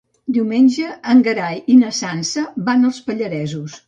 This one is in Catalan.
Diumenge en Gerai i na Sança van als Pallaresos.